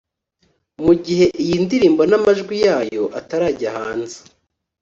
Mu gihe iyi ndirimbo n’amajwi yayo atarajya hanze